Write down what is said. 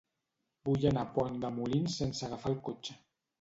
Vull anar a Pont de Molins sense agafar el cotxe.